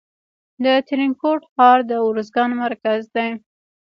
د ترینکوټ ښار د ارزګان مرکز دی